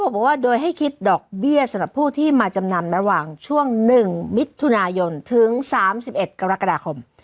บอกว่าโดยให้คิดดอกเบี้ยสำหรับผู้ที่มาจำนำระหว่างช่วง๑มิถุนายนถึง๓๑กรกฎาคม